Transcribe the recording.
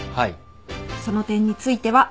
その点については。